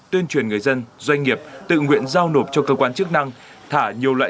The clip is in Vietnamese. tuyên truyền người dân doanh nghiệp tự nguyện giao nộp cho cơ quan chức năng thả nhiều loại